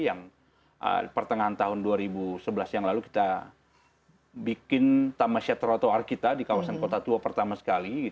yang pertengahan tahun dua ribu sebelas yang lalu kita bikin taman set trotoar kita di kawasan kota tua pertama sekali